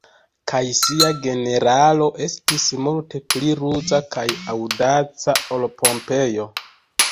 Kaj sia generalo estis multe pli ruza kaj aŭdaca ol Pompejo.